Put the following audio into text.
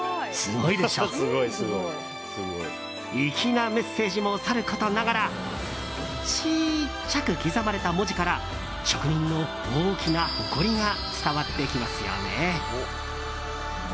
粋なメッセージもさることながらちっちゃく刻まれた文字から職人の大きな誇りが伝わってきますよね。